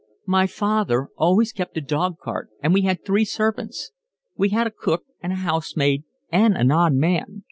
"My father always kept a dog cart, and we had three servants. We had a cook and a housemaid and an odd man.